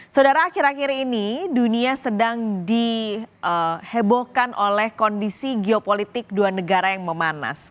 saudara akhir akhir ini dunia sedang dihebohkan oleh kondisi geopolitik dua negara yang memanas